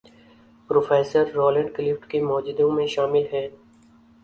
Professor Roland Clift کے موجدوں میں شامل ہیں۔